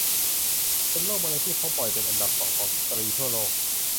เป็นโรคมะเร็งที่พบบ่อยเป็นอันดับ สอง ของสตรีทั่วโลก